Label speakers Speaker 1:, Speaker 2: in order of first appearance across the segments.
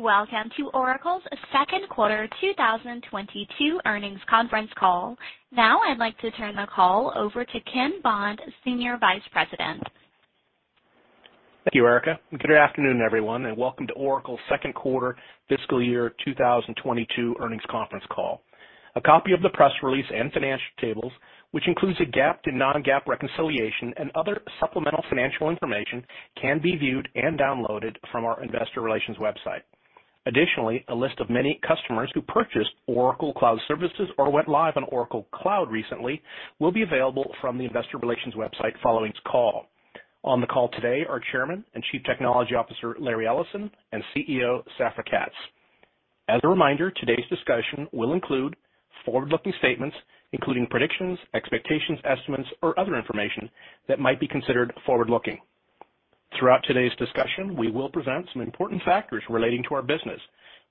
Speaker 1: Welcome to Oracle's Q2 2022 Earnings Conference Call. Now I'd like to turn the call over to Ken Bond, Senior Vice President.
Speaker 2: Thank you, Erica, and good afternoon, everyone, and welcome to Oracle's Q2 Fiscal Year 2022 Earnings Conference Call. A copy of the press release and financial tables, which includes a GAAP to non-GAAP reconciliation and other supplemental financial information can be viewed and downloaded from our investor relations website. Additionally, a list of many customers who purchased Oracle Cloud services or went live on Oracle Cloud recently will be available from the investor relations website following this call. On the call today are Chairman and Chief Technology Officer, Larry Ellison, and CEO, Safra Catz. As a reminder, today's discussion will include forward-looking statements, including predictions, expectations, estimates, or other information that might be considered forward-looking. Throughout today's discussion, we will present some important factors relating to our business,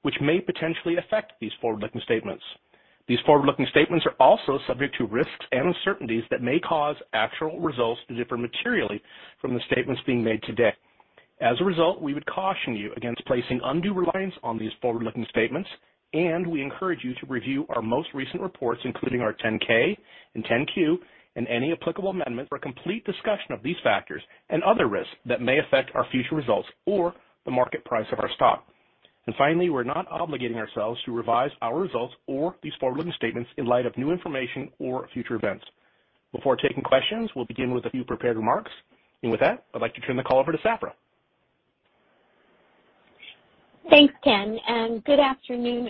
Speaker 2: which may potentially affect these forward-looking statements. These forward-looking statements are also subject to risks and uncertainties that may cause actual results to differ materially from the statements being made today. As a result, we would caution you against placing undue reliance on these forward-looking statements, and we encourage you to review our most recent reports, including our 10-K and 10-Q and any applicable amendment for a complete discussion of these factors and other risks that may affect our future results or the market price of our stock. Finally, we're not obligating ourselves to revise our results or these forward-looking statements in light of new information or future events. Before taking questions, we'll begin with a few prepared remarks. With that, I'd like to turn the call over to Safra.
Speaker 3: Thanks, Ken, and good afternoon,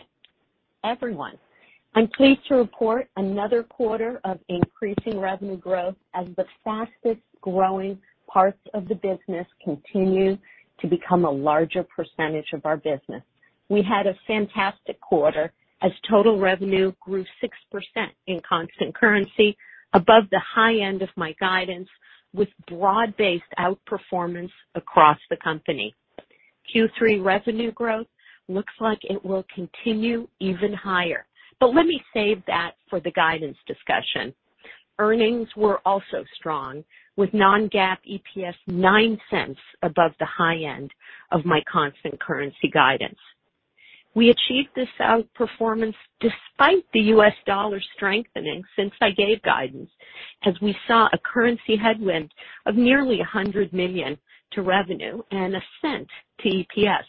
Speaker 3: everyone. I'm pleased to report another quarter of increasing revenue growth as the fastest-growing parts of the business continue to become a larger percentage of our business. We had a fantastic quarter as total revenue grew 6% in constant currency above the high end of my guidance with broad-based outperformance across the company. Q3 revenue growth looks like it will continue even higher, but let me save that for the guidance discussion. Earnings were also strong, with non-GAAP EPS $0.09 above the high end of my constant currency guidance. We achieved this outperformance despite the U.S. dollar strengthening since I gave guidance, as we saw a currency headwind of nearly $100 million to revenue and $0.01 to EPS.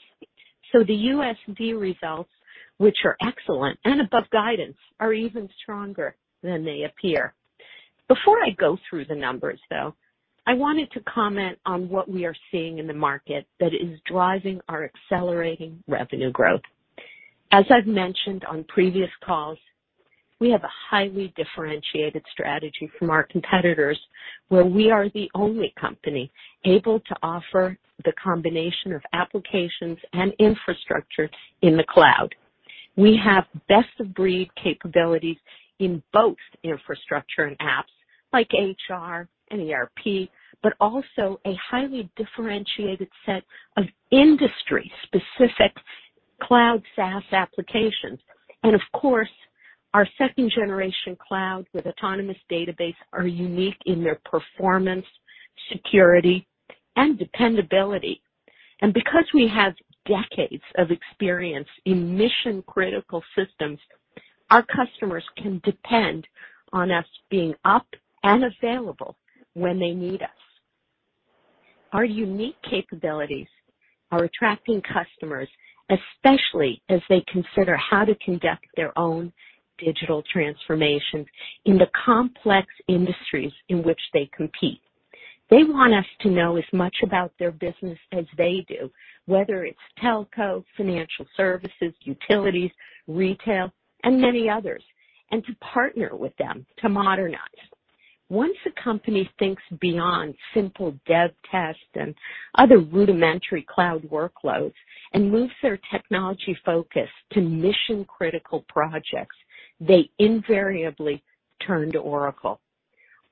Speaker 3: The USD results, which are excellent and above guidance, are even stronger than they appear. Before I go through the numbers, though, I wanted to comment on what we are seeing in the market that is driving our accelerating revenue growth. As I've mentioned on previous calls, we have a highly differentiated strategy from our competitors, where we are the only company able to offer the combination of applications and infrastructure in the cloud. We have best of breed capabilities in both infrastructure and apps like HR and ERP, but also a highly differentiated set of industry-specific cloud SaaS applications. Of course, our second-generation cloud with Autonomous Database are unique in their performance, security, and dependability. Because we have decades of experience in mission-critical systems, our customers can depend on us being up and available when they need us. Our unique capabilities are attracting customers, especially as they consider how to conduct their own digital transformations in the complex industries in which they compete. They want us to know as much about their business as they do, whether it's telco, financial services, utilities, retail, and many others, and to partner with them to modernize. Once a company thinks beyond simple dev test and other rudimentary cloud workloads and moves their technology focus to mission-critical projects, they invariably turn to Oracle.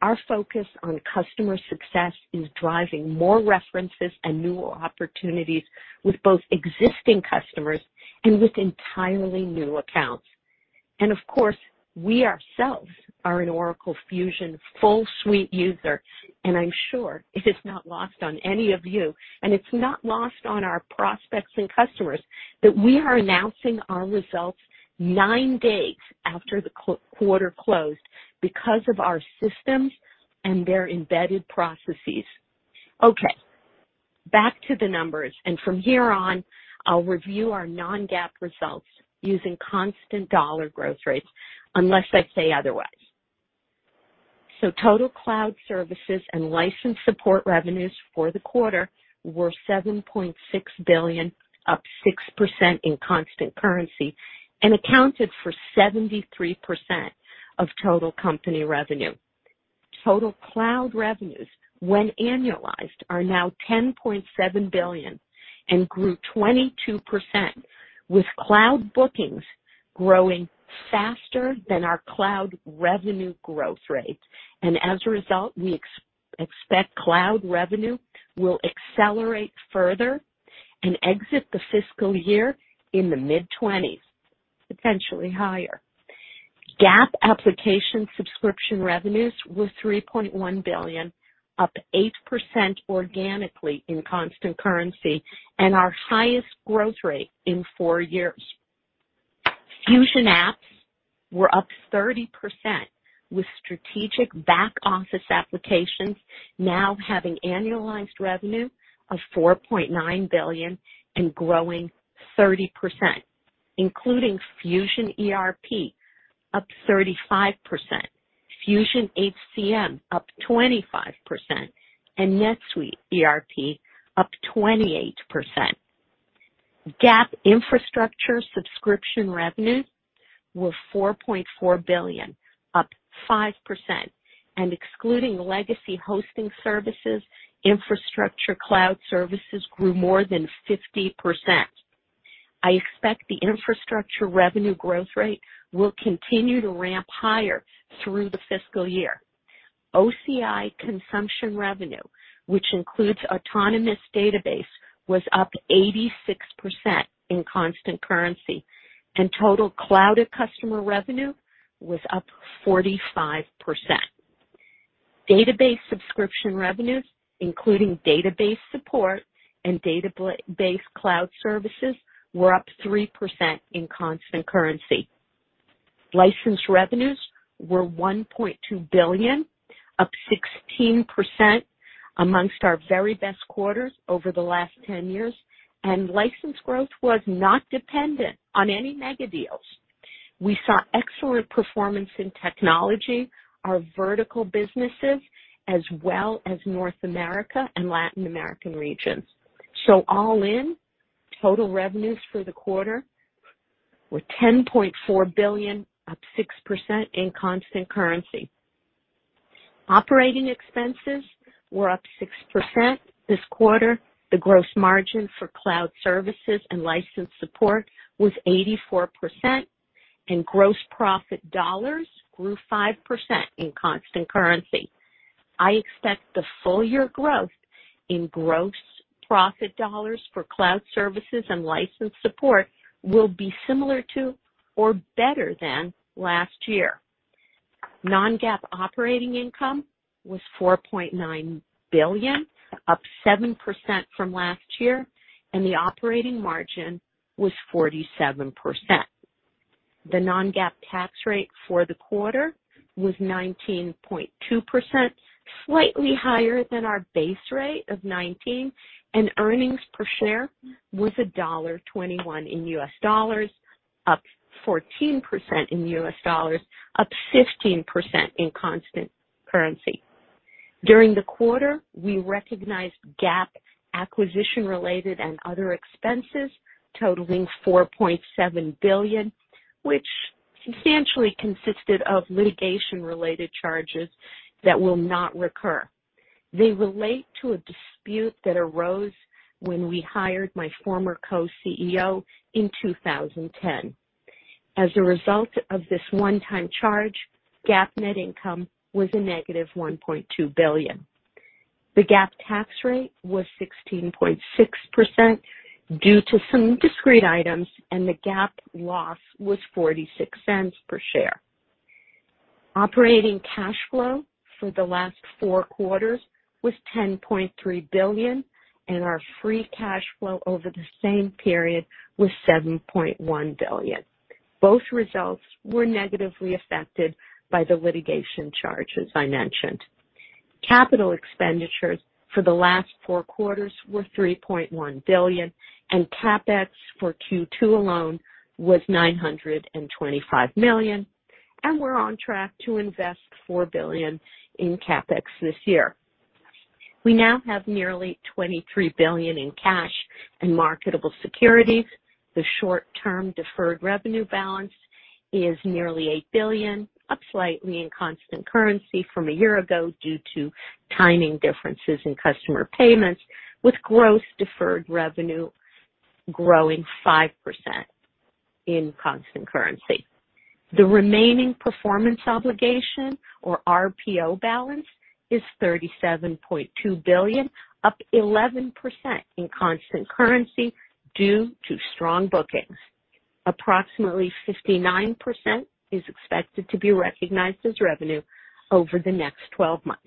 Speaker 3: Our focus on customer success is driving more references and new opportunities with both existing customers and with entirely new accounts. Of course, we ourselves are an Oracle Fusion full suite user, and I'm sure it is not lost on any of you, and it's not lost on our prospects and customers that we are announcing our results 9 days after the quarter closed because of our systems and their embedded processes. Okay, back to the numbers. From here on, I'll review our non-GAAP results using constant dollar growth rates unless I say otherwise. Total cloud services and licensed support revenues for the quarter were $7.6 billion, up 6% in constant currency, and accounted for 73% of total company revenue. Total cloud revenues, when annualized, are now $10.7 billion and grew 22%, with cloud bookings growing faster than our cloud revenue growth rate. As a result, we expect cloud revenue will accelerate further and exit the fiscal year in the mid-20s%, potentially higher. GAAP application subscription revenues were $3.1 billion, up 8% organically in constant currency and our highest growth rate in 4 years. Fusion apps were up 30%, with strategic back-office applications now having annualized revenue of $4.9 billion and growing 30%, including Fusion ERP up 35%, Fusion HCM up 25%, and NetSuite ERP up 28%. GAAP infrastructure subscription revenues were $4.4 billion, up 5%, and excluding legacy hosting services, infrastructure cloud services grew more than 50%. I expect the infrastructure revenue growth rate will continue to ramp higher through the fiscal year. OCI consumption revenue, which includes Autonomous Database, was up 86% in constant currency, and total cloud customer revenue was up 45%. Database subscription revenues, including database support and database cloud services, were up 3% in constant currency. License revenues were $1.2 billion, up 16% among our very best quarters over the last 10 years, and license growth was not dependent on any megadeals. We saw excellent performance in technology, our vertical businesses as well as North America and Latin American regions. All in, total revenues for the quarter were $10.4 billion, up 6% in constant currency. Operating expenses were up 6% this quarter. The gross margin for cloud services and license support was 84%, and gross profit dollars grew 5% in constant currency. I expect the full year growth in gross profit dollars for cloud services and license support will be similar to or better than last year. Non-GAAP operating income was $4.9 billion, up 7% from last year, and the operating margin was 47%. The non-GAAP tax rate for the quarter was 19.2%, slightly higher than our base rate of 19%, and earnings per share was $1.21 in US dollars, up 14% in US dollars, up 15% in constant currency. During the quarter, we recognized GAAP acquisition-related and other expenses totaling $4.7 billion, which substantially consisted of litigation-related charges that will not recur. They relate to a dispute that arose when we hired my former co-CEO in 2010. As a result of this one-time charge, GAAP net income was negative $1.2 billion. The GAAP tax rate was 16.6% due to some discrete items, and the GAAP loss was $0.46 per share. Operating cash flow for the last four quarters was $10.3 billion, and our free cash flow over the same period was $7.1 billion. Both results were negatively affected by the litigation charge, as I mentioned. Capital expenditures for the last four quarters were $3.1 billion, and CapEx for Q2 alone was $925 million. We're on track to invest $4 billion in CapEx this year. We now have nearly $23 billion in cash and marketable securities. The short-term deferred revenue balance is nearly $8 billion, up slightly in constant currency from a year ago due to timing differences in customer payments, with gross deferred revenue growing 5% in constant currency. The remaining performance obligation, or RPO balance, is $37.2 billion, up 11% in constant currency due to strong bookings. Approximately 59% is expected to be recognized as revenue over the next 12 months.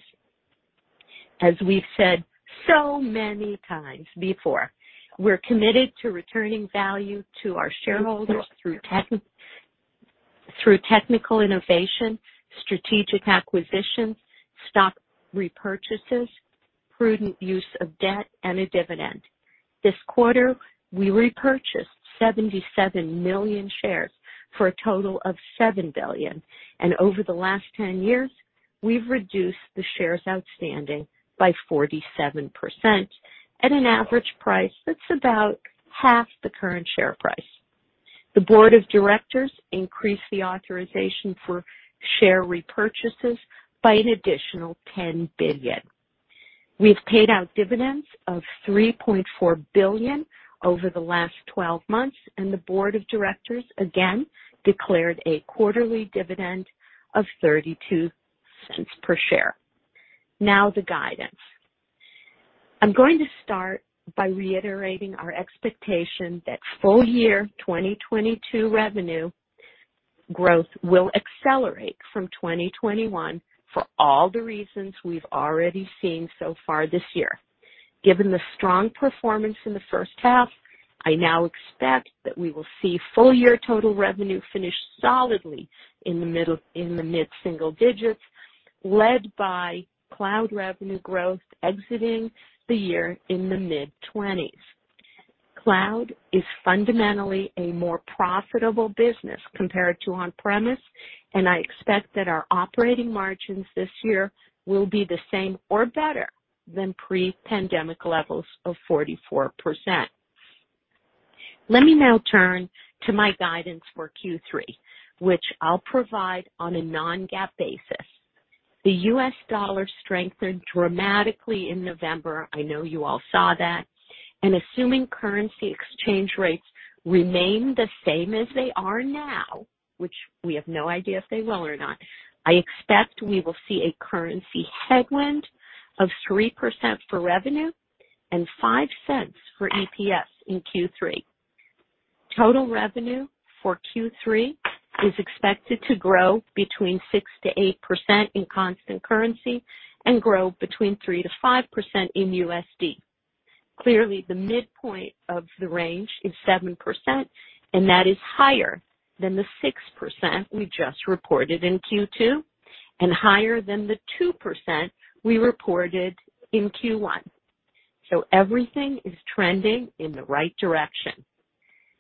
Speaker 3: As we've said so many times before, we're committed to returning value to our shareholders through technical innovation, strategic acquisitions, stock repurchases, prudent use of debt, and a dividend. This quarter, we repurchased 77 million shares for a total of $7 billion. Over the last 10 years, we've reduced the shares outstanding by 47% at an average price that's about half the current share price. The board of directors increased the authorization for share repurchases by an additional $10 billion. We've paid out dividends of $3.4 billion over the last 12 months, and the board of directors again declared a quarterly dividend of $0.32 per share. Now, the guidance. I'm going to start by reiterating our expectation that full year 2022 revenue growth will accelerate from 2021 for all the reasons we've already seen so far this year. Given the strong performance in the first half, I now expect that we will see full year total revenue finish solidly in the mid-single digits%, led by cloud revenue growth exiting the year in the mid-20s%. Cloud is fundamentally a more profitable business compared to on-premise, and I expect that our operating margins this year will be the same or better than pre-pandemic levels of 44%. Let me now turn to my guidance for Q3, which I'll provide on a non-GAAP basis. The U.S. dollar strengthened dramatically in November. I know you all saw that. Assuming currency exchange rates remain the same as they are now, which we have no idea if they will or not, I expect we will see a currency headwind of 3% for revenue and $0.05 for EPS in Q3. Total revenue for Q3 is expected to grow between 6%-8% in constant currency and grow between 3%-5% in USD. Clearly, the midpoint of the range is 7%, and that is higher than the 6% we just reported in Q2 and higher than the 2% we reported in Q1. Everything is trending in the right direction.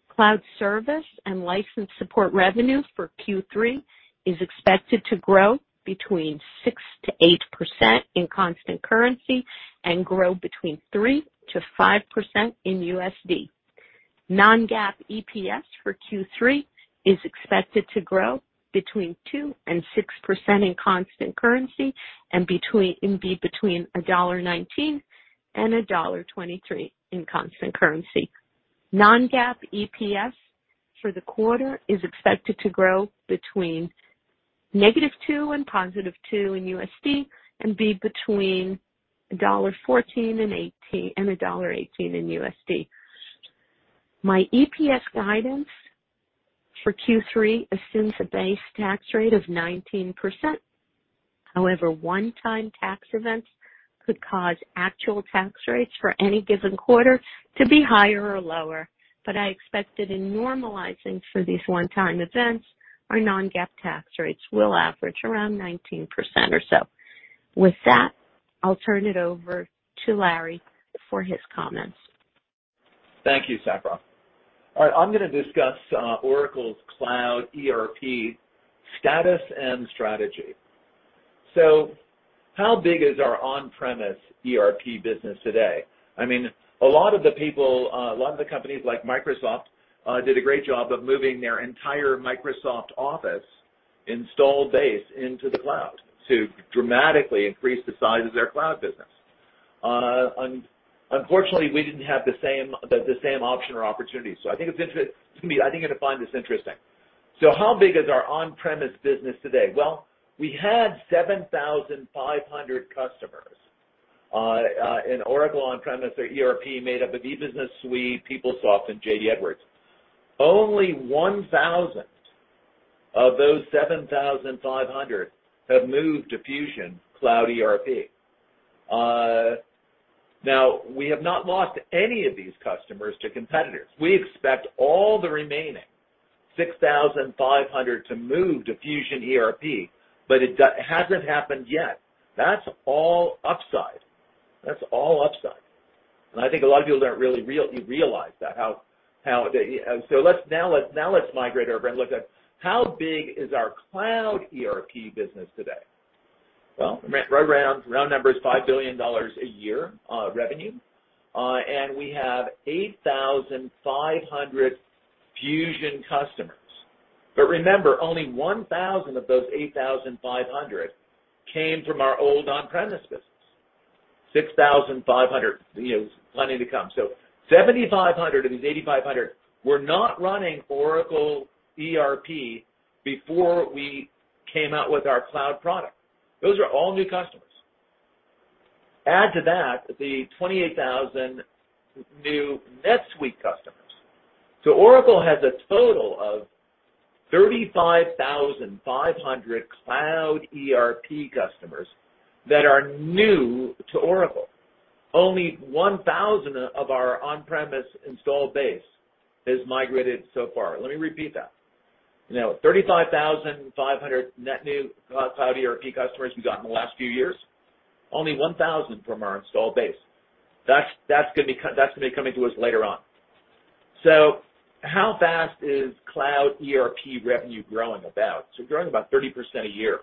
Speaker 3: Cloud service and license support revenue for Q3 is expected to grow between 6%-8% in constant currency and grow between 3%-5% in USD. Non-GAAP EPS for Q3 is expected to grow between 2% and 6% in constant currency and be between $1.19 and $1.23 in constant currency. Non-GAAP EPS for the quarter is expected to grow between -2% and +2% in USD and be between $1.14 and $1.18 in USD. My EPS guidance for Q3 assumes a base tax rate of 19%. However, one-time tax events could cause actual tax rates for any given quarter to be higher or lower. I expect that in normalizing for these one-time events, our non-GAAP tax rates will average around 19% or so. With that, I'll turn it over to Larry for his comments.
Speaker 4: Thank you, Safra. All right, I'm gonna discuss Oracle Cloud ERP status and strategy. How big is our on-premise ERP business today? I mean, a lot of the companies like Microsoft did a great job of moving their entire Microsoft Office installed base into the cloud to dramatically increase the size of their cloud business. Unfortunately, we didn't have the same option or opportunity. I think you're gonna find this interesting. How big is our on-premise business today? Well, we had 7,500 customers in Oracle on-premise ERP, made up of E-Business Suite, PeopleSoft, and JD Edwards. Only 1,000 of those 7,500 have moved to Fusion Cloud ERP. We have not lost any of these customers to competitors. We expect all the remaining 6,500 to move to Fusion ERP, but it hasn't happened yet. That's all upside. That's all upside. I think a lot of people don't really realize that, how they. Let's migrate over and look at how big is our cloud ERP business today. Well, round number is $5 billion a year, revenue, and we have 8,500 Fusion customers. Remember, only 1,000 of those 8,500 came from our old on-premise business. 6,500, you know, plenty to come. 7,500 of these 8,500 were not running Oracle ERP before we came out with our cloud product. Those are all new customers. Add to that the 28,000 new NetSuite customers. Oracle has a total of 35,500 cloud ERP customers that are new to Oracle. Only 1,000 of our on-premise installed base has migrated so far. Let me repeat that. You know, 35,500 net new cloud ERP customers we got in the last few years, only 1,000 from our installed base. That's gonna be coming to us later on. How fast is cloud ERP revenue growing about? It's growing about 30% a year.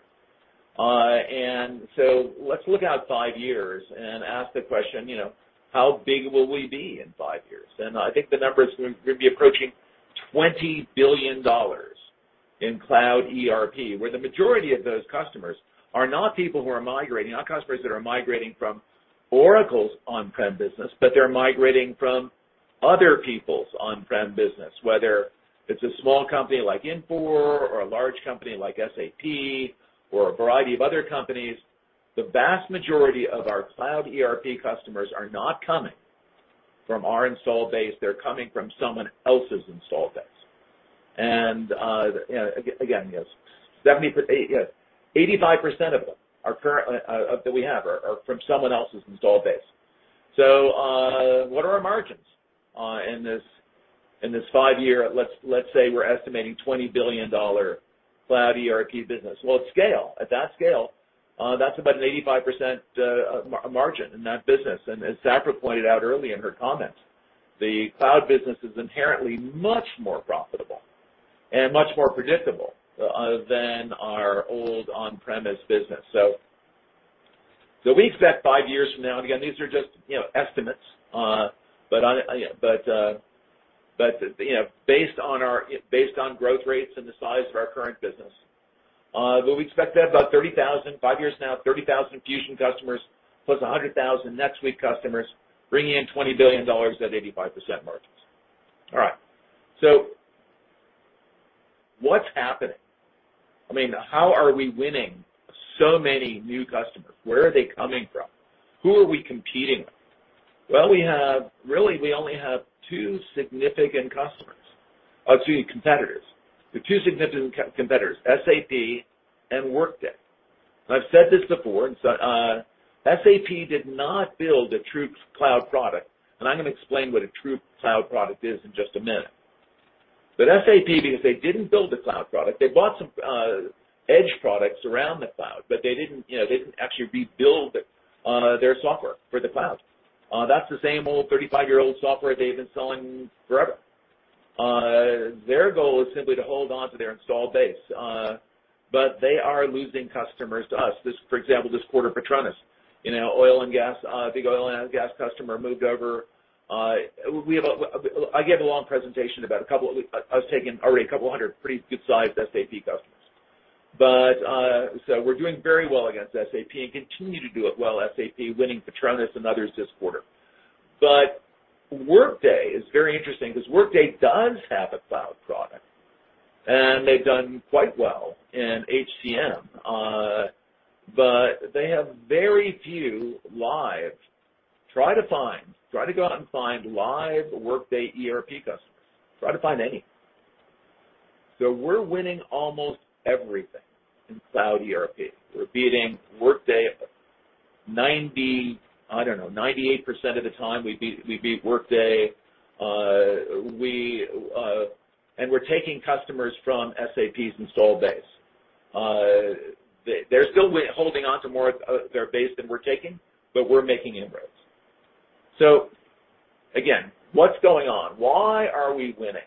Speaker 4: Let's look out five years and ask the question, you know, how big will we be in five years? I think the number is gonna be approaching $20 billion in cloud ERP, where the majority of those customers are not people who are migrating, not customers that are migrating from Oracle's on-prem business, but they're migrating from other people's on-prem business, whether it's a small company like Infor or a large company like SAP or a variety of other companies, the vast majority of our cloud ERP customers are not coming from our install base, they're coming from someone else's install base. 85% of them that we have are from someone else's install base. What are our margins in this five-year, let's say we're estimating $20 billion cloud ERP business? Scale. At that scale, that's about an 85% margin in that business. As Safra pointed out earlier in her comments, the cloud business is inherently much more profitable and much more predictable other than our old on-premise business. We expect five years from now, and again, these are just, you know, estimates, but you know, based on growth rates and the size of our current business, we expect to have about 30,000 Fusion customers, plus 100,000 NetSuite customers, bringing in $20 billion at 85% margins. All right. What's happening? I mean, how are we winning so many new customers? Where are they coming from? Who are we competing with? We have really, we only have two significant customers, excuse me, competitors. The two significant competitors, SAP and Workday. I've said this before, SAP did not build a true cloud product, and I'm gonna explain what a true cloud product is in just a minute. But SAP, because they didn't build a cloud product, they bought some edge products around the cloud, but they didn't, you know, they didn't actually rebuild it, their software for the cloud. That's the same old 35-year-old software they've been selling forever. Their goal is simply to hold on to their installed base, but they are losing customers to us. For example, this quarter, PETRONAS, you know, oil and gas, big oil and gas customer moved over. I gave a long presentation about a couple of hundred pretty good-sized SAP customers. We're doing very well against SAP and continue to do it well, SAP, winning PETRONAS and others this quarter. Workday is very interesting 'cause Workday does have a cloud product, and they've done quite well in HCM, but they have very few live. Try to go out and find live Workday ERP customers. Try to find any. We're winning almost everything in cloud ERP. We're beating Workday 98% of the time. We beat Workday. We're taking customers from SAP's installed base. They're still holding on to more of their base than we're taking, but we're making inroads. Again, what's going on? Why are we winning?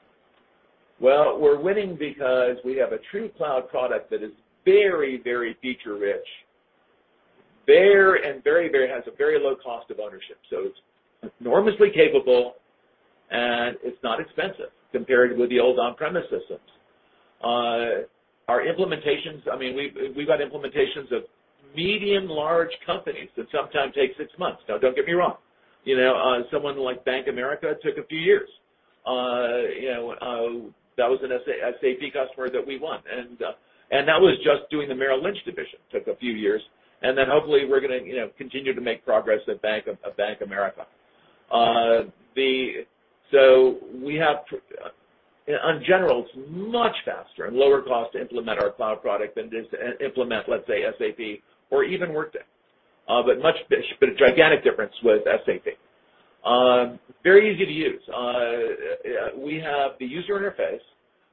Speaker 4: Well, we're winning because we have a true cloud product that is very, very feature-rich. It has a very low cost of ownership. It's enormously capable, and it's not expensive compared with the old on-premise systems. Our implementations, we've got implementations of medium, large companies that sometimes take six months. Now, don't get me wrong, you know, someone like Bank of America took a few years. You know, that was an SAP customer that we won. That was just doing the Merrill Lynch division [that] took a few years. Hopefully we're gonna, you know, continue to make progress at Bank of America. In general, it's much faster and lower cost to implement our cloud product than it is to implement, let's say, SAP or even Workday. But a gigantic difference with SAP. Very easy to use. We have the user interface.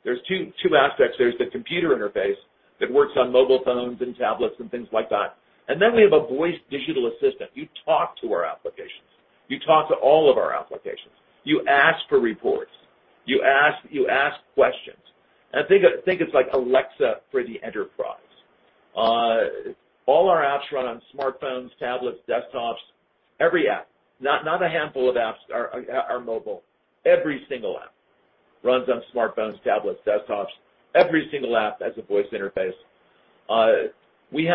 Speaker 4: There's two aspects. There's the computer interface that works on mobile phones and tablets and things like that. Then we have a voice digital assistant. You talk to our applications. You talk to all of our applications. You ask for reports, you ask questions. Think it's like Alexa for the enterprise. All our apps run on smartphones, tablets, desktops, every app. Not a handful of apps are mobile. Every single app runs on smartphones, tablets, desktops. Every single app has a voice interface. This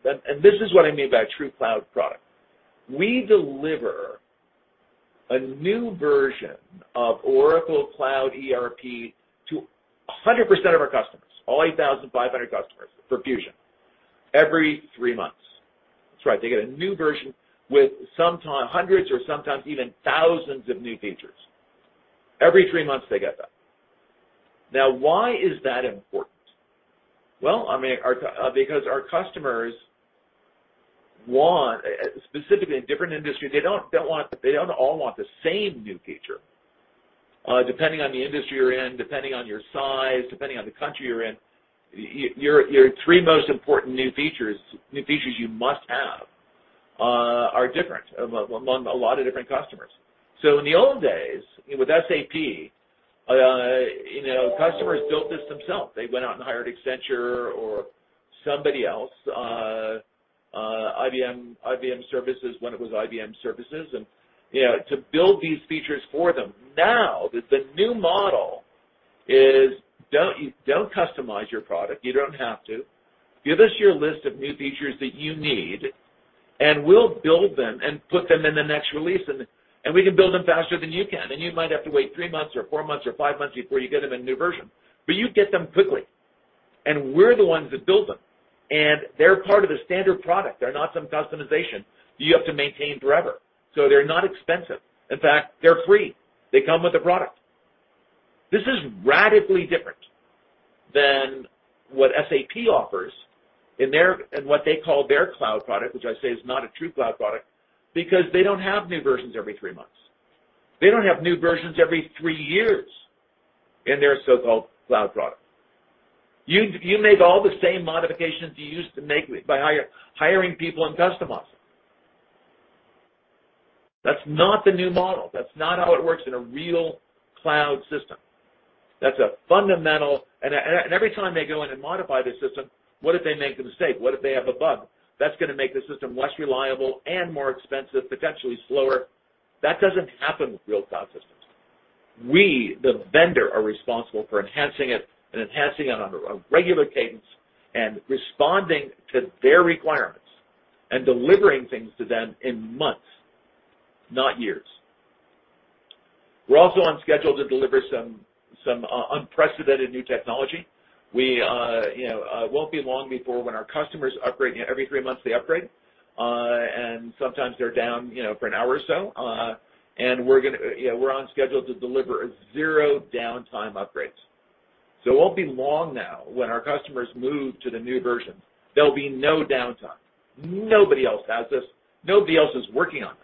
Speaker 4: is what I mean by true cloud product. We deliver a new version of Oracle Cloud ERP to 100% of our customers, all 8,500 customers for Fusion, every three months. That's right. They get a new version with sometimes hundreds or sometimes even thousands of new features. Every three months, they get that. Now, why is that important? Well, I mean, because our customers want, specifically in different industries, they don't want, they don't all want the same new feature. Depending on the industry you're in, depending on your size, depending on the country you're in, your three most important new features, new features you must have, are different among a lot of different customers. In the old days, with SAP, you know, customers built this themselves. They went out and hired Accenture or somebody else, IBM Services when it was IBM Services, and, you know, to build these features for them. Now, the new model is don't customize your product. You don't have to. Give us your list of new features that you need, and we'll build them and put them in the next release, and we can build them faster than you can. You might have to wait three months or four months or five months before you get them in a new version. You get them quickly. We're the ones that build them. They're part of the standard product. They're not some customization you have to maintain forever. They're not expensive. In fact, they're free. They come with the product. This is radically different than what SAP offers in what they call their cloud product, which I say is not a true cloud product because they don't have new versions every three months. They don't have new versions every three years in their so-called cloud product. You make all the same modifications you used to make by hiring people and customizing. That's not the new model. That's not how it works in a real cloud system. That's a fundamental. Every time they go in and modify their system, what if they make a mistake? What if they have a bug? That's gonna make the system less reliable and more expensive, potentially slower. That doesn't happen with real cloud systems. We, the vendor, are responsible for enhancing it on a regular cadence and responding to their requirements and delivering things to them in months, not years. We're also on schedule to deliver some unprecedented new technology. We, you know, won't be long before when our customers upgrade. You know, every three months they upgrade, and sometimes they're down, you know, for an hour or so. You know, we're on schedule to deliver zero downtime upgrades. It won't be long now when our customers move to the new version. There'll be no downtime. Nobody else has this. Nobody else is working on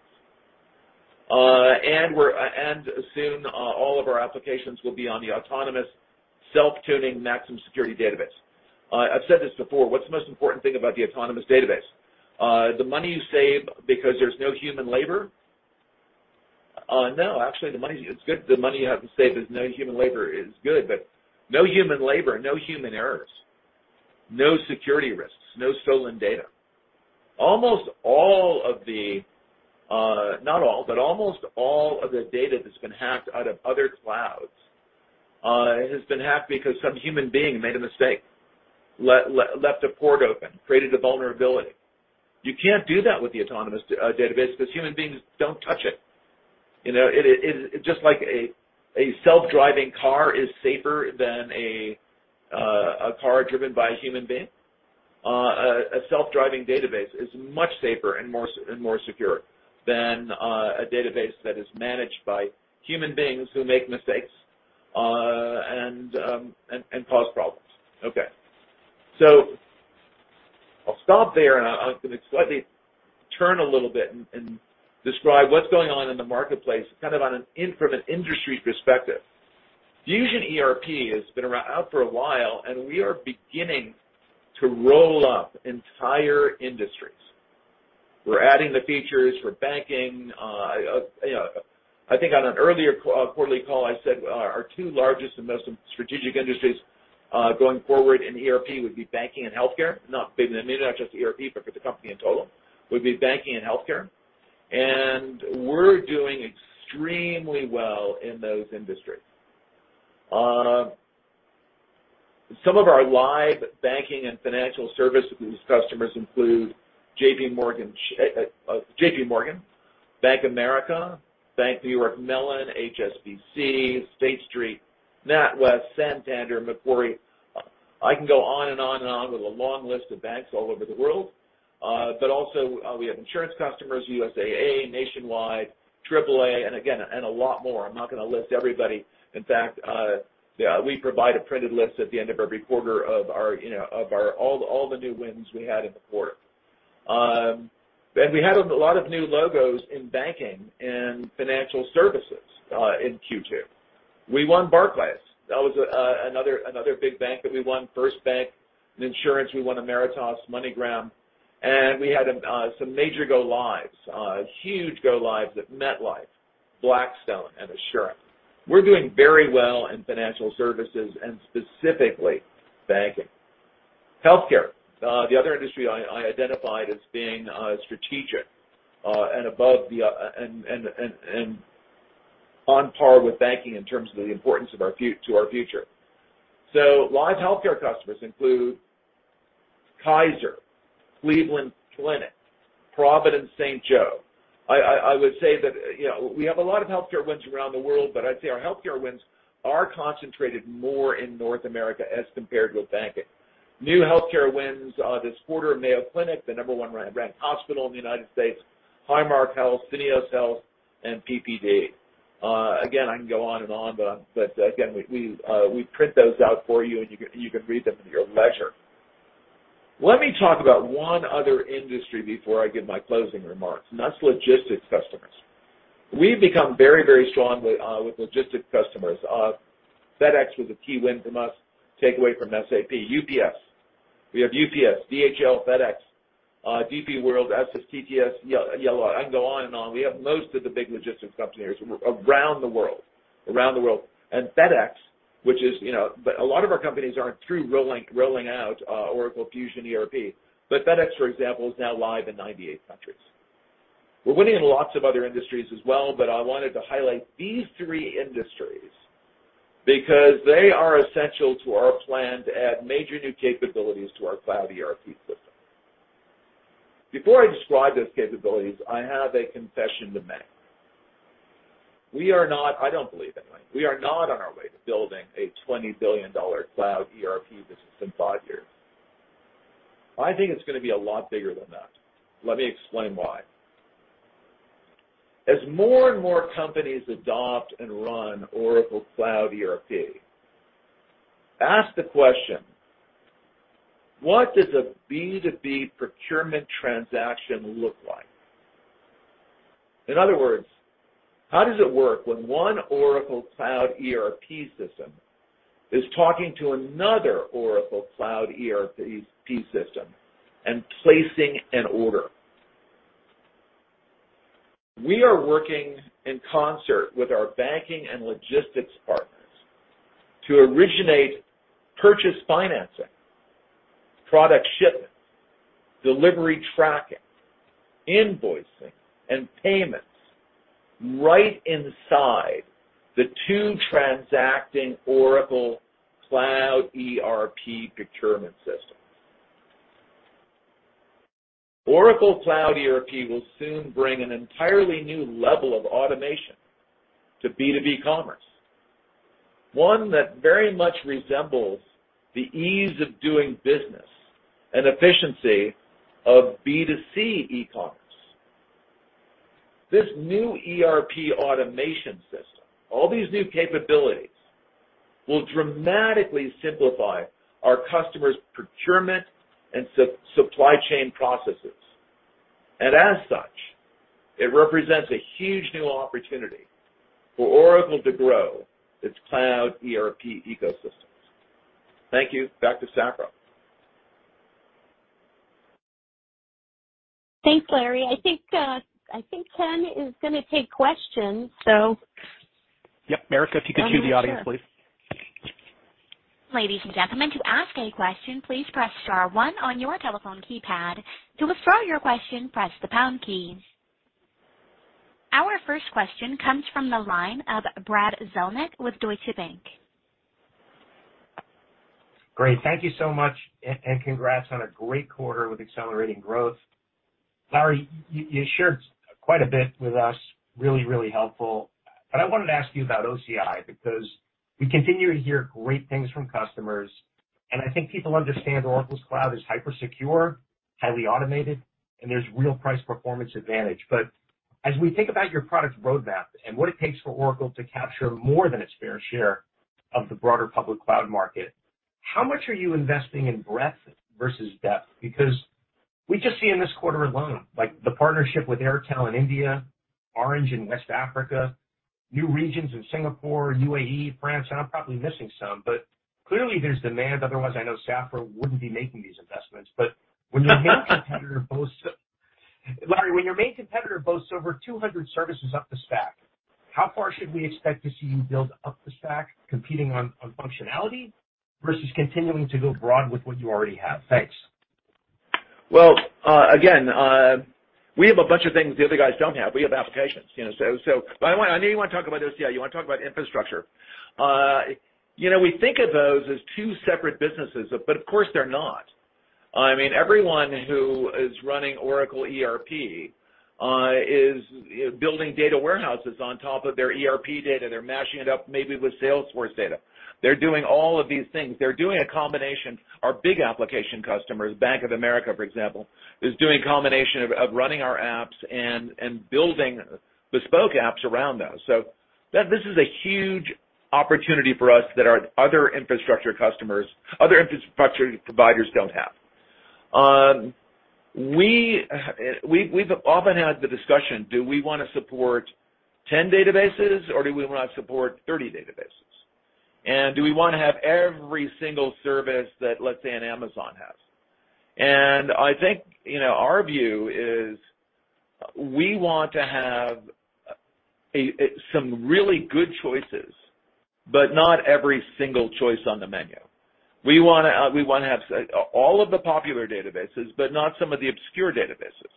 Speaker 4: this. Soon, all of our applications will be on the Autonomous self-tuning maximum security Database. I've said this before. What's the most important thing about the Autonomous Database? The money you save because there's no human labor? No. Actually, the money. It's good. The money you have to save with no human labor is good, but no human labor, no human errors, no security risks, no stolen data. Almost all of the, not all, but almost all of the data that's been hacked out of other clouds has been hacked because some human being made a mistake, left a port open, created a vulnerability. You can't do that with the Autonomous Database because human beings don't touch it. You know, just like a self-driving car is safer than a car driven by a human being, a self-driving database is much safer and more secure than a database that is managed by human beings who make mistakes and cause problems. Okay. I'll stop there, and I'm gonna slightly turn a little bit and describe what's going on in the marketplace, kind of from an industry perspective. Fusion ERP has been around for a while, and we are beginning to roll up entire industries. We're adding the features for banking. You know, I think on an earlier quarterly call, I said our two largest and most strategic industries going forward in ERP would be banking and healthcare. Not just ERP, but for the company in total, would be banking and healthcare. We're doing extremely well in those industries. Some of our live banking and financial services customers include JPMorgan, Bank of America, Bank of New York Mellon, HSBC, State Street, NatWest, Santander, Macquarie. I can go on and on and on with a long list of banks all over the world. But also, we have insurance customers, USAA, Nationwide, AAA, and a lot more. I'm not gonna list everybody. In fact, we provide a printed list at the end of every quarter of our, you know, of our all the new wins we had in the quarter. We had a lot of new logos in banking and financial services in Q2. We won Barclays. That was another big bank that we won. First Bank. In insurance, we won Ameritas, MoneyGram, and we had some major go-lives, huge go-lives at MetLife, Blackstone, and Assurant. We're doing very well in financial services and specifically banking. Healthcare, the other industry I identified as being strategic and above the and on par with banking in terms of the importance of our to our future. Live healthcare customers include Kaiser, Cleveland Clinic, Providence St. Joseph. I would say that, you know, we have a lot of healthcare wins around the world, but I'd say our healthcare wins are concentrated more in North America as compared with banking. New healthcare wins this quarter, Mayo Clinic, the number one ranked hospital in the United States, Highmark Health, Syneos Health, and PPD. Again, I can go on and on, but again, we print those out for you, and you can read them at your leisure. Let me talk about one other industry before I give my closing remarks, that's logistics customers. We've become very strong with logistics customers. FedEx was a key win from us, takeaway from SAP. UPS. We have UPS, DHL, FedEx, DP World, SF Express, Yellow. I can go on and on. We have most of the big logistics companies around the world. FedEx, which is, you know, but a lot of our companies aren't through rolling out Oracle Fusion ERP, but FedEx, for example, is now live in 98 countries. We're winning in lots of other industries as well, but I wanted to highlight these three industries because they are essential to our plan to add major new capabilities to our Cloud ERP system. Before I describe those capabilities, I have a confession to make. We are not, I don't believe it, anyway, we are not on our way to building a $20 billion cloud ERP business in five years. I think it's gonna be a lot bigger than that. Let me explain why. As more and more companies adopt and run Oracle Cloud ERP, ask the question: what does a B2B procurement transaction look like? In other words, how does it work when one Oracle Cloud ERP system is talking to another Oracle Cloud ERP system and placing an order? We are working in concert with our banking and logistics partners to originate purchase financing, product shipments, delivery tracking, invoicing, and payments right inside the two transacting Oracle Cloud ERP procurement systems. Oracle Cloud ERP will soon bring an entirely new level of automation to B2B commerce, one that very much resembles the ease of doing business and efficiency of B2C e-commerce. This new ERP automation system, all these new capabilities, will dramatically simplify our customers' procurement and supply chain processes. As such, it represents a huge new opportunity for Oracle to grow its cloud ERP ecosystems. Thank you. Back to Safra.
Speaker 3: Thanks, Larry. I think Ken is gonna take questions.
Speaker 2: Yep. Erica, if you could cue the audience, please.
Speaker 1: Our first question comes from the line of Brad Zelnick with Deutsche Bank.
Speaker 5: Great. Thank you so much, and congrats on a great quarter with accelerating growth. Larry, you shared quite a bit with us, really helpful. I wanted to ask you about OCI because we continue to hear great things from customers, and I think people understand Oracle Cloud is hyper-secure, highly automated, and there's real price performance advantage. As we think about your product roadmap and what it takes for Oracle to capture more than its fair share of the broader public cloud market, how much are you investing in breadth versus depth? Because we just see in this quarter alone, like the partnership with Airtel in India, Orange in West Africa, new regions in Singapore, UAE, France, and I'm probably missing some, but clearly there's demand, otherwise I know Safra wouldn't be making these investments. Larry, when your main competitor boasts over 200 services up the stack, how far should we expect to see you build up the stack competing on functionality versus continuing to go broad with what you already have? Thanks.
Speaker 4: Well, again, we have a bunch of things the other guys don't have. We have applications, you know. But I know you want to talk about OCI, you want to talk about infrastructure. You know, we think of those as two separate businesses, but of course they're not. I mean, everyone who is running Oracle ERP is, you know, building data warehouses on top of their ERP data. They're mashing it up maybe with Salesforce data. They're doing all of these things. They're doing a combination. Our big application customers, Bank of America, for example, is doing a combination of running our apps and building bespoke apps around those. So this is a huge opportunity for us that our other infrastructure customers, other infrastructure providers, don't have. We've often had the discussion, do we wanna support 10 databases or do we wanna support 30 databases? And do we wanna have every single service that, let's say, an Amazon has? And I think, you know, our view is we want to have a some really good choices, but not every single choice on the menu. We wanna have all of the popular databases, but not some of the obscure databases.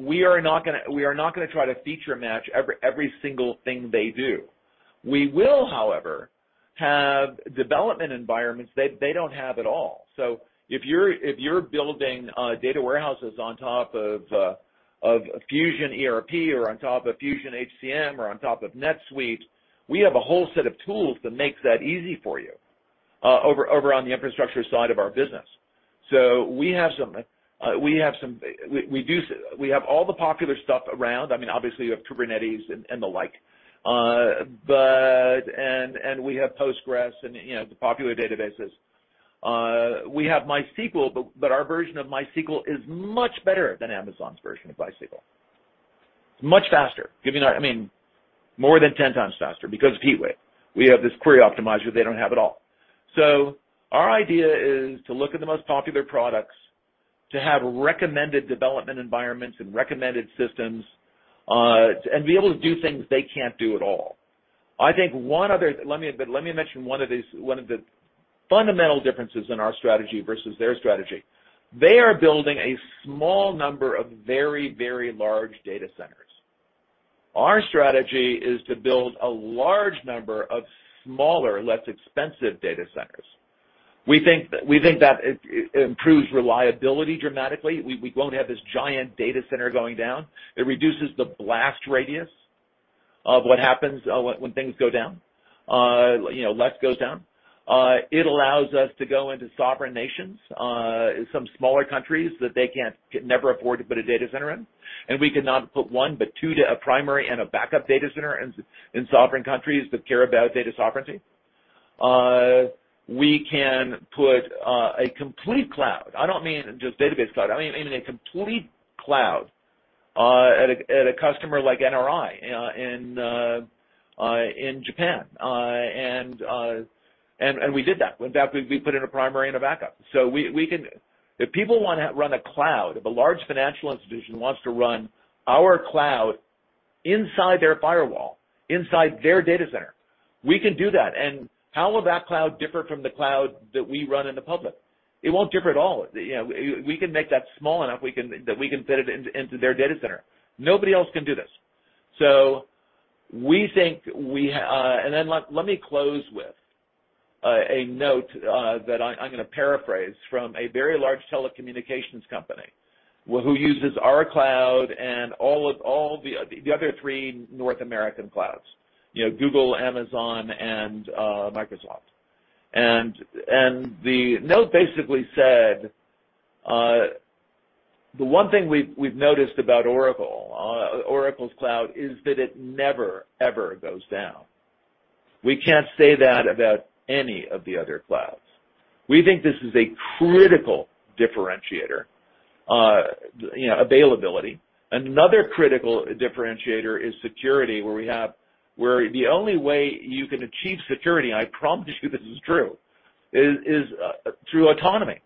Speaker 4: We are not gonna try to feature match every single thing they do. We will, however, have development environments that they don't have at all. If you're building data warehouses on top of Fusion ERP or on top of Fusion HCM or on top of NetSuite, we have a whole set of tools that makes that easy for you, over on the infrastructure side of our business. We have all the popular stuff around. I mean, obviously you have Kubernetes and the like. We have PostgreSQL and, you know, the popular databases. We have MySQL, but our version of MySQL is much better than Amazon's version of MySQL. It's much faster. I mean, more than 10 times faster because of HeatWave. We have this query optimizer they don't have at all. Our idea is to look at the most popular products, to have recommended development environments and recommended systems, and be able to do things they can't do at all. Let me mention one of these, one of the fundamental differences in our strategy versus their strategy. They are building a small number of very large data centers. Our strategy is to build a large number of smaller, less expensive data centers. We think that it improves reliability dramatically. We won't have this giant data center going down. It reduces the blast radius of what happens, when things go down. You know, less goes down. It allows us to go into sovereign nations, some smaller countries that they can't ever afford to put a data center in, and we can put not one but two, a primary and a backup data center in sovereign countries that care about data sovereignty. We can put a complete cloud. I don't mean just database cloud. I mean a complete cloud at a customer like NRI in Japan. And we did that. In fact, we put in a primary and a backup. So we can. If people wanna run a cloud, if a large financial institution wants to run our cloud inside their firewall, inside their data center, we can do that. How will that cloud differ from the cloud that we run in the public? It won't differ at all. We can make that small enough that we can fit it into their data center. Nobody else can do this. Let me close with a note that I'm gonna paraphrase from a very large telecommunications company who uses our cloud and the other three North American clouds, Google, Amazon and Microsoft. The note basically said, "The one thing we've noticed about Oracle's cloud is that it never, ever goes down. We can't say that about any of the other clouds." We think this is a critical differentiator, availability. Another critical differentiator is security, where we have. Where the only way you can achieve security, I promise you this is true, is through autonomy.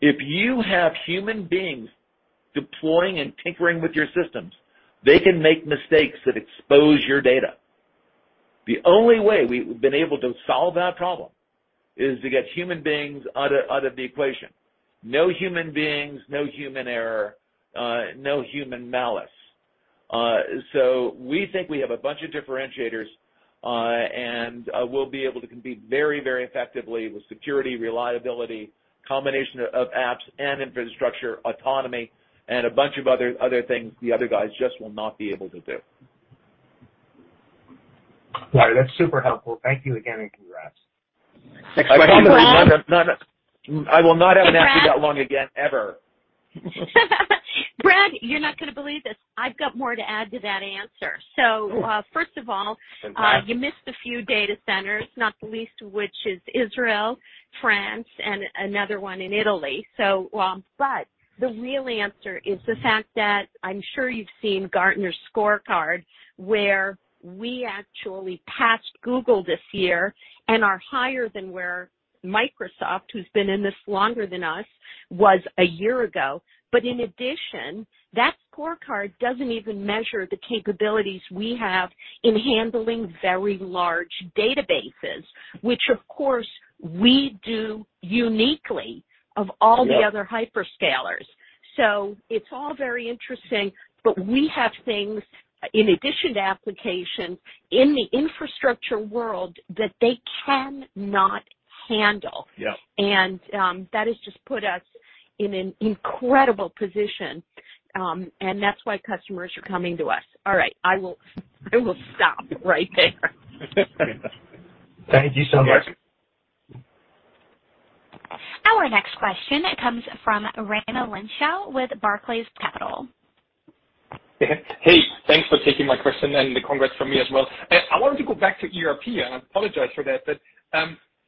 Speaker 4: If you have human beings deploying and tinkering with your systems, they can make mistakes that expose your data. The only way we've been able to solve that problem is to get human beings out of the equation. No human beings, no human error, no human malice. We think we have a bunch of differentiators, and we'll be able to compete very, very effectively with security, reliability, combination of apps and infrastructure, autonomy, and a bunch of other things the other guys just will not be able to do.
Speaker 5: All right. That's super helpful. Thank you again, and congrats.
Speaker 4: I will not have an answer that long again, ever.
Speaker 3: Brad, you're not gonna believe this. I've got more to add to that answer. First of all.
Speaker 4: Fantastic.
Speaker 3: You missed a few data centers, not the least of which is Israel, France, and another one in Italy. The real answer is the fact that I'm sure you've seen Gartner's scorecard, where we actually passed Google this year and are higher than where Microsoft, who's been in this longer than us, was a year ago. In addition, that scorecard doesn't even measure the capabilities we have in handling very large databases, which of course, we do uniquely of all the other hyperscalers.
Speaker 4: Yeah.
Speaker 3: It's all very interesting, but we have things in addition to application in the infrastructure world that they cannot handle.
Speaker 4: Yeah.
Speaker 3: that has just put us in an incredible position, and that's why customers are coming to us. All right. I will stop right there.
Speaker 5: Thank you so much.
Speaker 1: Our next question comes from Raimo Lenschow with Barclays Capital.
Speaker 6: Hey. Thanks for taking my question, and congrats from me as well. I wanted to go back to ERP, and I apologize for that, but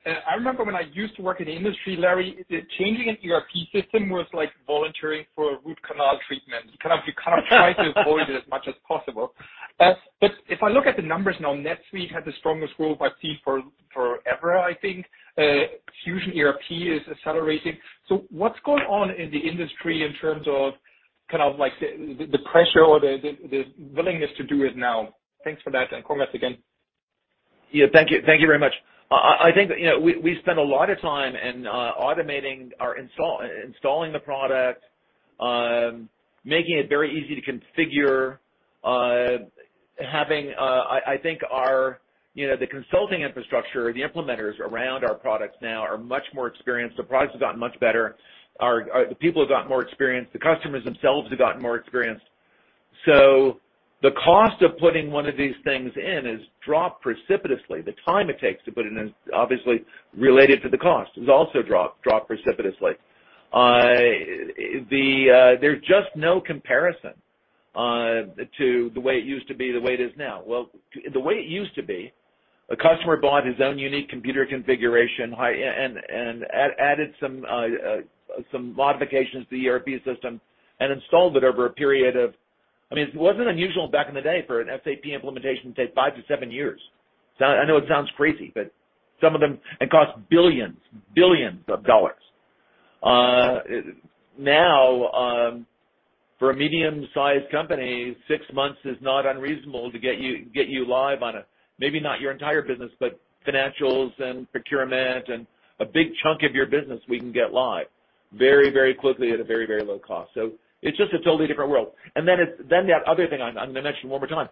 Speaker 6: I remember when I used to work in the industry, Larry, that changing an ERP system was like volunteering for a root canal treatment. You kind of try to avoid it as much as possible. But if I look at the numbers now, NetSuite had the strongest growth I've seen for ever, I think. Fusion ERP is accelerating. So what's going on in the industry in terms of kind of like the pressure or the willingness to do it now? Thanks for that. Congrats again.
Speaker 4: Yeah. Thank you. Thank you very much. I think that, you know, we spend a lot of time in automating our install, installing the product, making it very easy to configure, having I think our, you know, the consulting infrastructure, the implementers around our products now are much more experienced. The product has gotten much better. The people have gotten more experienced. The customers themselves have gotten more experienced. The cost of putting one of these things in has dropped precipitously. The time it takes to put it in is obviously related to the cost. It's also dropped precipitously. There's just no comparison to the way it used to be to the way it is now. Well, the way it used to be, a customer bought his own unique computer configuration, high... Added some modifications to the ERP system and installed it over a period of, I mean, it wasn't unusual back in the day for an SAP implementation to take five to seven years. I know it sounds crazy, but some of them. It cost $ billions. Now, for a medium-sized company, six months is not unreasonable to get you live on, maybe not your entire business, but financials and procurement and a big chunk of your business we can get live very, very quickly at a very, very low cost. It's just a totally different world. The other thing, I'm gonna mention one more time.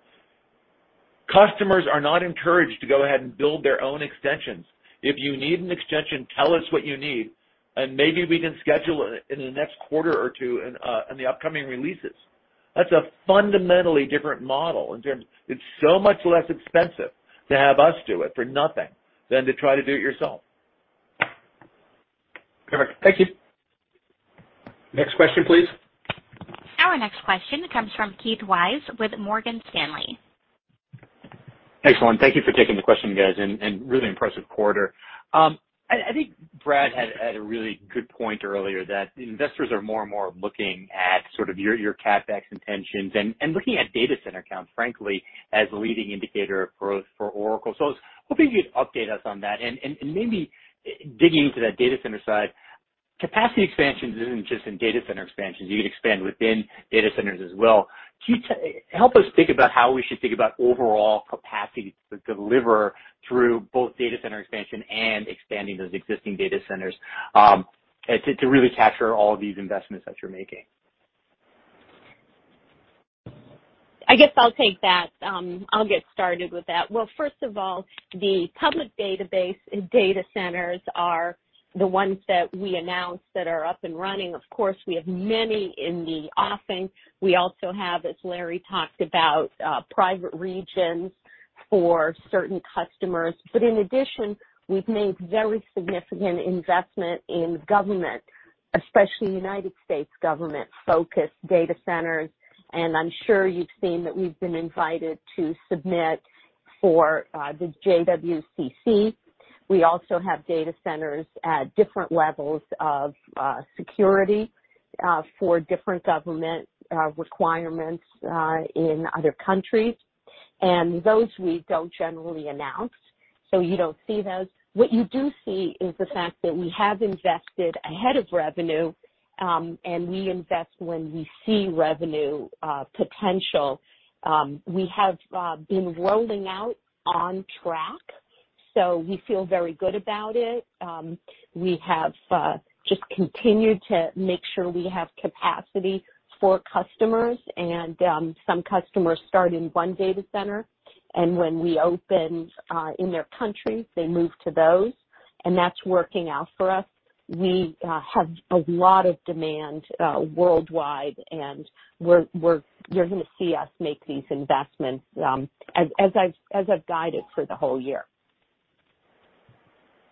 Speaker 4: Customers are not encouraged to go ahead and build their own extensions. If you need an extension, tell us what you need, and maybe we can schedule it in the next quarter or two in the upcoming releases. That's a fundamentally different model. It's so much less expensive to have us do it for nothing than to try to do it yourself.
Speaker 6: Perfect. Thank you.
Speaker 4: Next question, please.
Speaker 1: Our next question comes from Keith Weiss with Morgan Stanley.
Speaker 7: Thanks, Ken. Thank you for taking the question, guys, and really impressive quarter. I think Brad had a really good point earlier that investors are more and more looking at sort of your CapEx intentions and looking at data center counts, frankly, as a leading indicator of growth for Oracle. I was hoping you'd update us on that. Maybe digging into that data center side, capacity expansions isn't just in data center expansions. You can expand within data centers as well. Can you help us think about how we should think about overall capacity to deliver through both data center expansion and expanding those existing data centers to really capture all of these investments that you're making?
Speaker 3: I guess I'll take that. I'll get started with that. Well, first of all, the public database data centers are the ones that we announced that are up and running. Of course, we have many in the offing. We also have, as Larry talked about, private regions for certain customers. But in addition, we've made very significant investment in government, especially United States government-focused data centers. I'm sure you've seen that we've been invited to submit for the JWCC. We also have data centers at different levels of security for different government requirements in other countries. Those we don't generally announce, so you don't see those. What you do see is the fact that we have invested ahead of revenue, and we invest when we see revenue potential. We have been rolling out on track, so we feel very good about it. We have just continued to make sure we have capacity for customers. Some customers start in one data center, and when we open in their country, they move to those, and that's working out for us. We have a lot of demand worldwide, and we're, you're gonna see us make these investments, as I've guided for the whole year.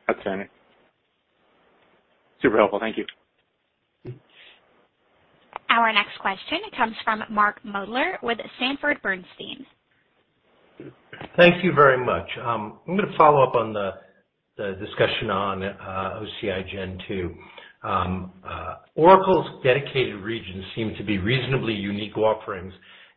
Speaker 7: Fantastic. Super helpful. Thank you.
Speaker 4: Mm-hmm.
Speaker 2: Our next question comes from Mark Moerdler with Sanford C. Bernstein.
Speaker 8: Thank you very much. I'm gonna follow up on the discussion on OCI Gen 2. Oracle's dedicated regions seem to be reasonably unique offerings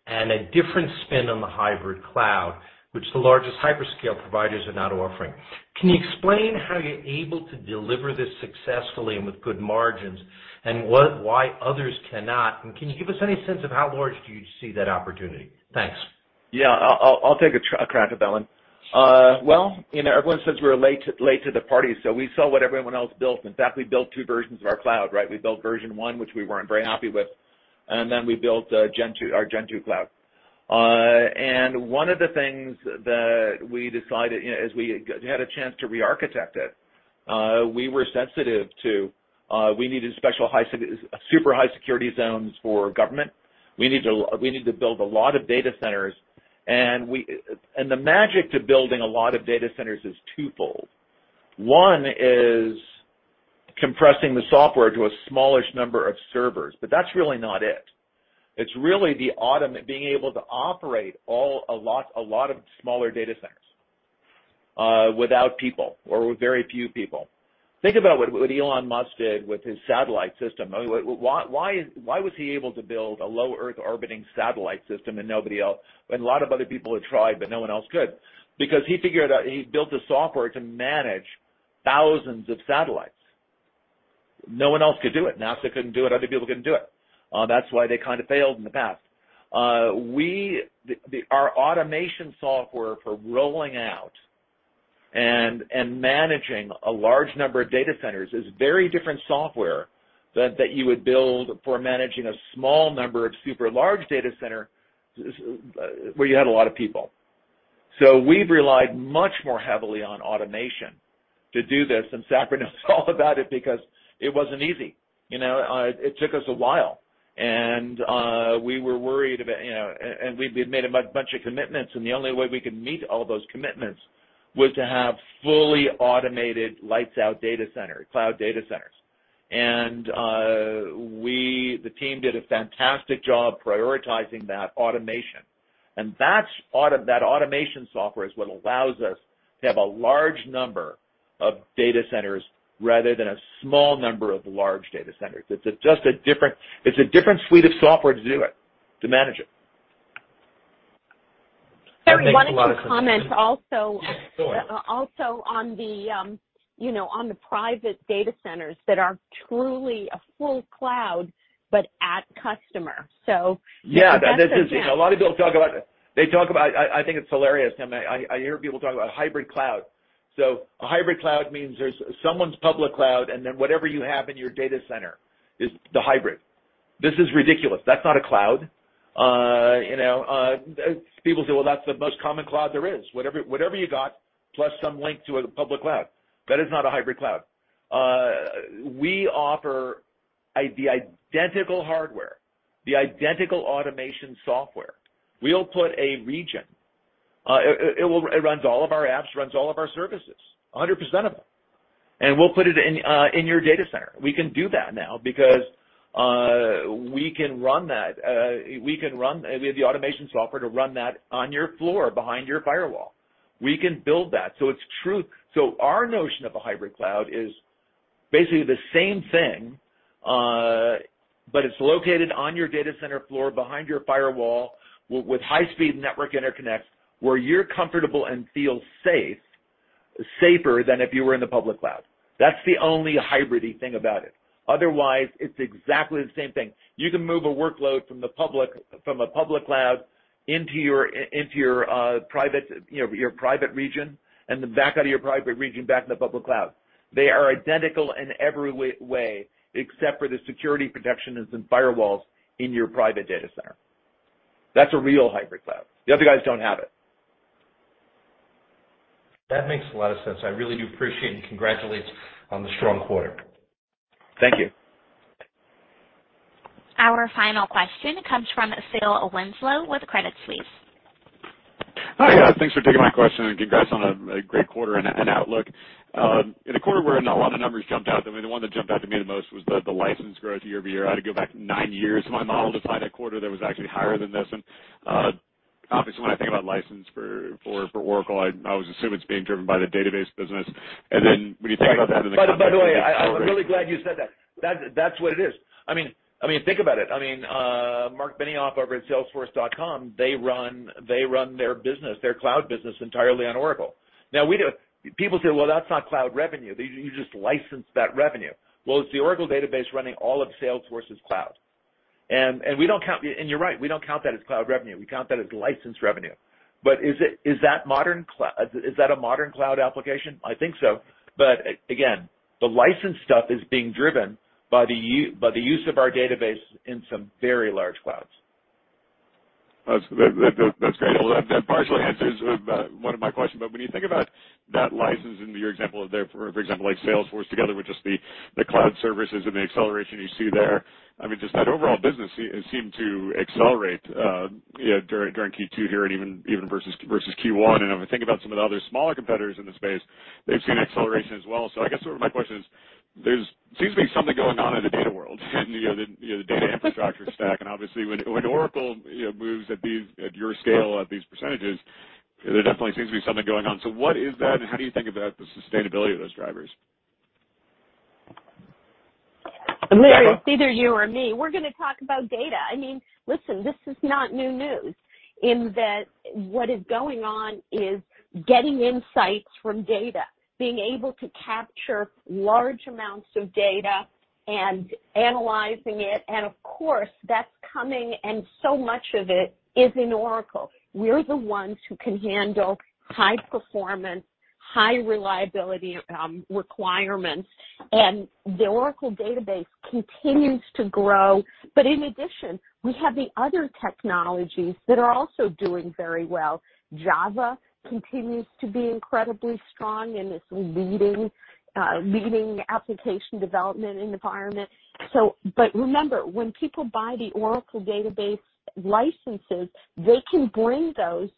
Speaker 8: and a different spin on the hybrid cloud, which the largest hyperscale providers are not offering. Can you explain how you're able to deliver this successfully and with good margins and why others cannot? Can you give us any sense of how large do you see that opportunity? Thanks.
Speaker 4: Yeah. I'll take a crack at that one. Well, you know, everyone says we're late to the party, so we saw what everyone else built. In fact, we built two versions of our cloud, right? We built version one, which we weren't very happy with, and then we built Gen 2, our Gen 2 cloud. One of the things that we decided, you know, as we had a chance to re-architect it, we were sensitive to we needed special super high security zones for government. We need to build a lot of data centers. The magic to building a lot of data centers is twofold. One is compressing the software to a smallish number of servers, but that's really not it. It's really being able to operate all, a lot of smaller data centers, without people or with very few people. Think about what Elon Musk did with his satellite system. I mean, why was he able to build a low earth orbiting satellite system and nobody else? A lot of other people had tried, but no one else could. Because he figured out, he built the software to manage thousands of satellites. No one else could do it. NASA couldn't do it. Other people couldn't do it. That's why they kinda failed in the past. Our automation software for rolling out and managing a large number of data centers is very different software that you would build for managing a small number of super large data centers where you had a lot of people. We've relied much more heavily on automation to do this, and Safra knows all about it because it wasn't easy. You know, it took us a while. We were worried about, you know, and we'd made a bunch of commitments, and the only way we could meet all those commitments was to have fully automated lights out data centers, cloud data centers. We, the team did a fantastic job prioritizing that automation, and that's that automation software is what allows us to have a large number of data centers rather than a small number of large data centers. It's just a different suite of software to do it, to manage it.
Speaker 3: Larry, I wanted to comment also.
Speaker 4: Go ahead.
Speaker 3: Also, you know, on the private data centers that are truly a full cloud, but at customer.
Speaker 4: Yeah. A lot of people talk about it. They talk about it. I think it's hilarious. I mean, I hear people talk about hybrid cloud. A hybrid cloud means there's someone's public cloud, and then whatever you have in your data center is the hybrid. This is ridiculous. That's not a cloud. You know, people say, "Well, that's the most common cloud there is, whatever you got, plus some link to a public cloud." That is not a hybrid cloud. We offer the identical hardware, the identical automation software. We'll put a region. It runs all of our apps, runs all of our services, 100% of them. We'll put it in your data center. We can do that now because we can run that. We can run. We have the automation software to run that on your floor behind your firewall. We can build that. It's true. Our notion of a hybrid cloud is basically the same thing, but it's located on your data center floor behind your firewall with high-speed network interconnects, where you're comfortable and feel safe, safer than if you were in the public cloud. That's the only hybrid-y thing about it. Otherwise, it's exactly the same thing. You can move a workload from a public cloud into your private, you know, your private region and then back out of your private region back in the public cloud. They are identical in every way, except for the security protections and firewalls in your private data center. That's a real hybrid cloud. The other guys don't have it.
Speaker 8: That makes a lot of sense. I really do appreciate and congratulate on the strong quarter.
Speaker 4: Thank you.
Speaker 2: Our final question comes from Phil Winslow with Credit Suisse.
Speaker 9: Hi. Thanks for taking my question, and congrats on a great quarter and outlook. In a quarter where not a lot of numbers jumped out at me, the one that jumped out to me the most was the license growth year-over-year. I had to go back nine years in my model to find a quarter that was actually higher than this one. Obviously, when I think about license for Oracle, I always assume it's being driven by the database business. Then when you think about that in the context of-
Speaker 4: By the way, I'm really glad you said that. That's what it is. I mean, think about it. I mean, Marc Benioff over at Salesforce, they run their business, their cloud business entirely on Oracle. Now, we do it. People say, "Well, that's not cloud revenue. You just licensed that revenue." Well, it's the Oracle Database running all of Salesforce's cloud. We don't count that as cloud revenue. You're right, we don't count that as cloud revenue. We count that as license revenue. But is that a modern cloud application? I think so. But again, the license stuff is being driven by the use of our database in some very large clouds.
Speaker 9: That's great. That partially answers one of my questions. When you think about that license and your example of there, for example, like Salesforce together with just the cloud services and the acceleration you see there, I mean, just that overall business seemed to accelerate, you know, during Q2 here and even versus Q1. When I think about some of the other smaller competitors in the space, they've seen acceleration as well. I guess sort of my question is, there seems to be something going on in the data world and, you know, the data infrastructure stack. Obviously, when Oracle, you know, moves at these, at your scale, at these percentages, there definitely seems to be something going on. What is that, and how do you think about the sustainability of those drivers?
Speaker 3: Larry, it's either you or me. We're gonna talk about data. I mean, listen, this is not new news in that what is going on is getting insights from data, being able to capture large amounts of data and analyzing it. Of course, that's coming, and so much of it is in Oracle. We're the ones who can handle high performance, high reliability, requirements. The Oracle Database continues to grow. In addition, we have the other technologies that are also doing very well. Java continues to be incredibly strong, and it's leading application development environment. Remember, when people buy the Oracle Database licenses, they can bring those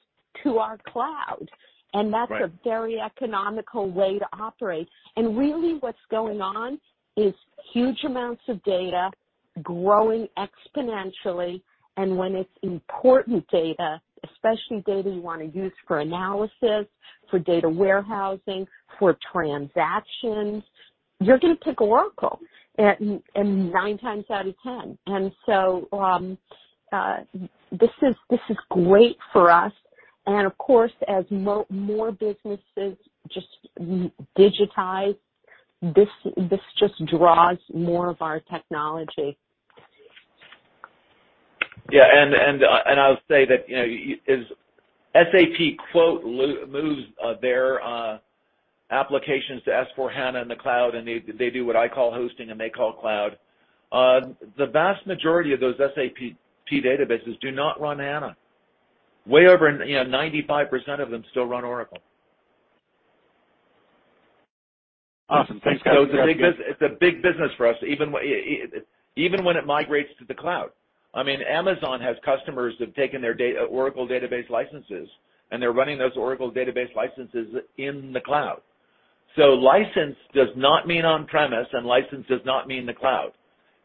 Speaker 3: to our cloud.
Speaker 4: Right.
Speaker 3: That's a very economical way to operate. Really what's going on is huge amounts of data growing exponentially. When it's important data, especially data you wanna use for analysis, for data warehousing, for transactions, you're gonna pick Oracle, nine times out of ten. This is great for us. Of course, as more businesses just digitize, this just draws more of our technology.
Speaker 4: Yeah. I'll say that, you know, as SAP quote, "moves," their applications to S/4HANA in the cloud, and they do what I call hosting and they call cloud, the vast majority of those SAP databases do not run HANA. Way over, you know, 95% of them still run Oracle.
Speaker 9: Awesome. Thanks, guys.
Speaker 4: It's a big business for us, even when it migrates to the cloud. I mean, Amazon has customers that have taken their Oracle Database licenses, and they're running those Oracle Database licenses in the cloud. License does not mean on-premises, and license does not mean the cloud.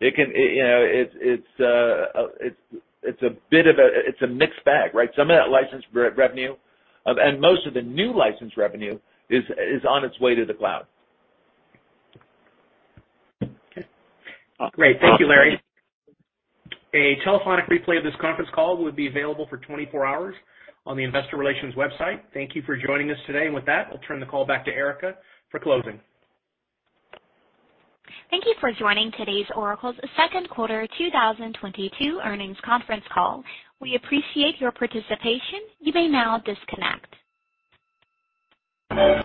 Speaker 4: It can, you know, it's a mixed bag, right? Some of that license revenue and most of the new license revenue is on its way to the cloud.
Speaker 2: Okay. Great. Thank you, Larry. A telephonic replay of this conference call will be available for 24 hours on the investor relations website. Thank you for joining us today. With that, I'll turn the call back to Erica for closing.
Speaker 1: Thank you for joining today's Oracle's Q2 2022 Earnings Conference Call. We appreciate your participation. You may now disconnect.